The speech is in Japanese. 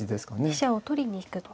飛車を取りに行くと。